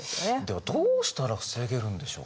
ではどうしたら防げるんでしょうかね？